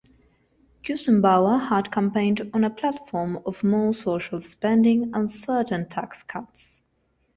Gusenbauer had campaigned on a platform of more social spending and certain tax cuts.